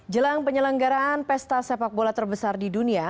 jelang penyelenggaraan pesta sepak bola terbesar di dunia